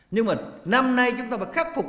nhưng mà năm nay chúng ta phải khắc phục